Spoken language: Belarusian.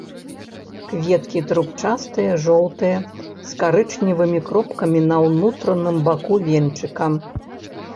Кветкі трубчастыя, жоўтыя, з карычневымі кропкамі на ўнутраным баку венчыка.